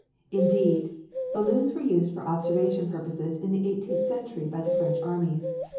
Indeed, balloons were used for observation purposes in the eighteenth century by the French armies.